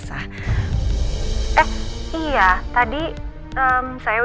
aku bisa tau